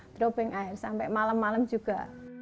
dropping air sampai malam malam juga